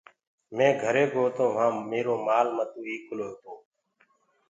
مينٚ گھري گو تو وهآنٚ ميرو مآل متو ايڪلو تو۔